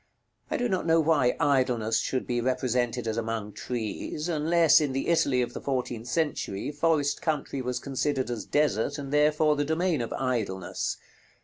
I do not know why Idleness should be represented as among trees, unless, in the Italy of the fourteenth century, forest country was considered as desert, and therefore the domain of Idleness.